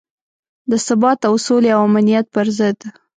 د ثبات او سولې او امنیت پر ضد.